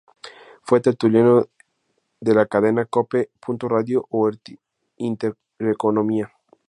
Fue tertuliano de la Cadena Cope, Punto Radio o Intereconomía.